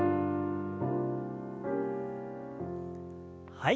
はい。